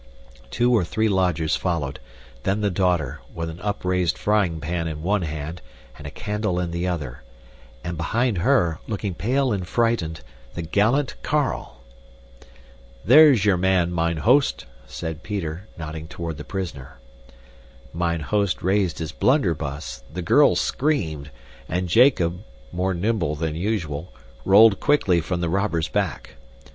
Two or three lodgers followed; then the daughter, with an upraised frying pan in one hand and a candle in the other; and behind her, looking pale and frightened, the gallant Carl! "There's your man, mine host," said Peter, nodding toward the prisoner. Mine host raised his blunderbuss, the girl screamed, and Jacob, more nimble than usual, rolled quickly from the robber's back.